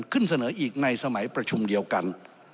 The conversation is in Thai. เสนออีกในสมัยประชุมเดียวกัน